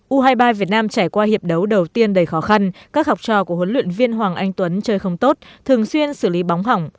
u hai mươi ba việt nam trải qua hiệp đấu đầu tiên đầy khó khăn các học trò của huấn luyện viên hoàng anh tuấn chơi không tốt thường xuyên xử lý bóng hỏng